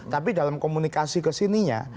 tapi dalam komunikasi kesininya